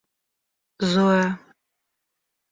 Зоя